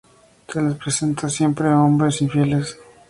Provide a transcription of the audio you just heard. Se les presenta siempre a hombres infieles.